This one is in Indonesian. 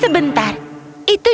kau akan menangkapku fluff